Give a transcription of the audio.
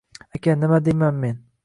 Aka, nima deyman men…